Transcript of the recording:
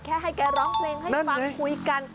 ให้แกร้องเพลงให้ฟังคุยกัน